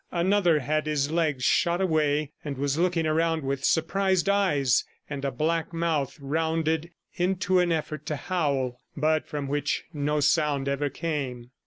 Another had his legs shot away, and was looking around with surprised eyes and a black mouth rounded into an effort to howl, but from which no sound ever came.